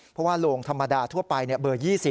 เพราะว่าโรงธรรมดาทั่วไปเบอร์๒๐